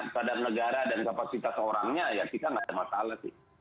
pada negara dan kapasitas orangnya ya kita nggak ada masalah sih